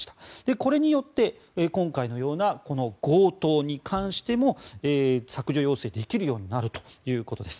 これによって今回のような強盗に関しても削除要請できるようになるということです。